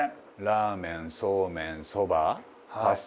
ラーメンそうめんそばパスタ？